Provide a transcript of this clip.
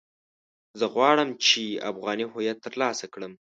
زه غواړم چې افغاني هويت ترلاسه کړم.